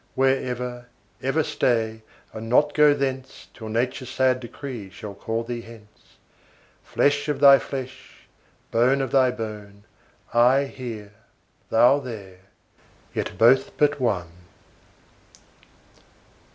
Where ever, ever stay, and go not thence, Till nature's sad decree shall call thee hence; Flesh of thy flesh, bone of thy bone, I here, thou there, yet both but one.